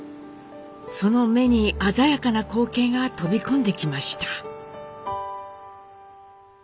その目に鮮やかな光景が飛び込んできました。